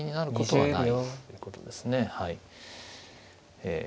はい。